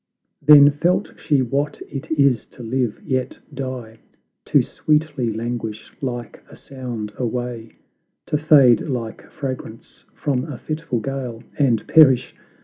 Then felt she what it is to live, yet die; To sweetly languish like a sound away, To fade like fragrance from a fitful gale, And perish?